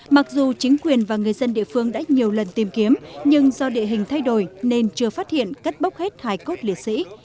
mặc dù chính quyền và người dân địa phương đã nhiều lần tìm kiếm nhưng do địa hình thay đổi nên chưa phát hiện cất bốc hết hải cốt liệt sĩ